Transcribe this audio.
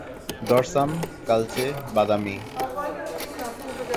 Dorsum কালচে বাদামি।